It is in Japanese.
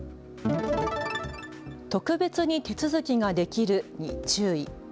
特別に手続きができるに注意。